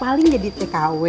paling jadi tkw